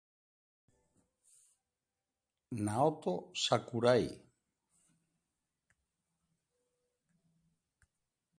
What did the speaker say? Naoto Sakurai